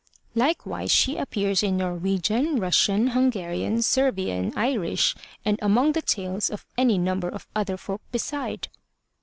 Likewise she appears in Norwegian, Russian, Hungarian, Servian, Irish and among the tales of any number of other folk beside.